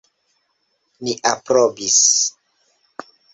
Ni aprobis.